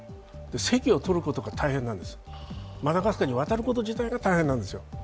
席を取ることが大変なんです、マダガスカルに渡ることが大変なんですよ。